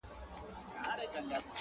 اوس مي د سپين قلم زهره چاودلې.